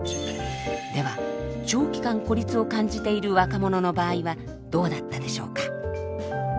では長期間孤立を感じている若者の場合はどうだったでしょうか？